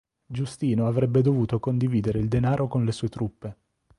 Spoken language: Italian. Giustino avrebbe dovuto condividere il denaro con le sue truppe.